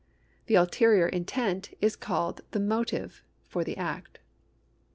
The ulterior intent is called the motive of the act.